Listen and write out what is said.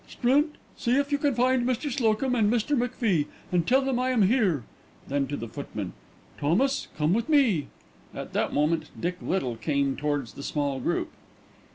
"Strint, see if you can find Mr. Slocum and Mr. McFie, and tell them I am here." Then to the footman, "Thomas, come with me." At that moment Dick Little came towards the small group.